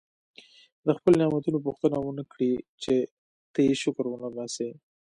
د خپلو نعمتونو پوښتنه ونه کړي چې ته یې شکر نه وباسې.